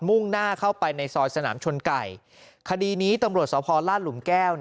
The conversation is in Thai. ่งหน้าเข้าไปในซอยสนามชนไก่คดีนี้ตำรวจสพลาดหลุมแก้ว